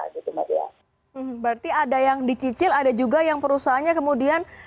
berarti ada yang dicicil ada juga yang perusahaannya kemudian